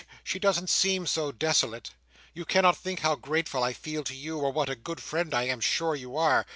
She doesn't seem so desolate. You cannot think how grateful I feel to you, or what a good friend I am sure you are!"